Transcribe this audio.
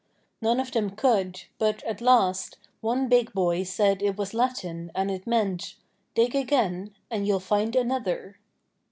None of them could, but at last one big boy said it was Latin and it meant: 'Dig again and you'll find another.'